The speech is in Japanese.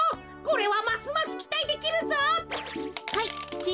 これはますますきたいできるぞ。はいちぃ